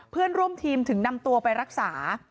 เพื่อนร่วมทีมถึงนำตัวไปรักษา